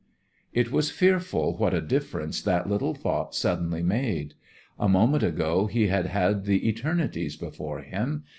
It was fearful what a difference that little thought suddenly made. A moment ago he had had the eternities before him.